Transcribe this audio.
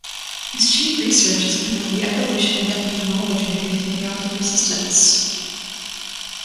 His chief research has been on the evolution and epidemiology of antibiotic resistance.